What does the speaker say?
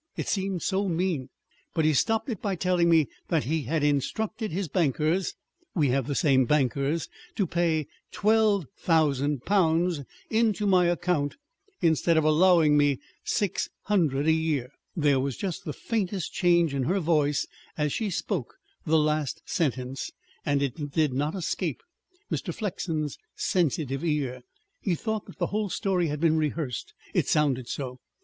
It seemed so mean. But he stopped it by telling me that he had instructed his bankers we have the same bankers to pay twelve thousand pounds into my account instead of allowing me six hundred a year." There was just the faintest change in her voice as she spoke the last sentence, and it did not escape Mr. Flexen's sensitive ear. He thought that the whole story had been rehearsed; it sounded so.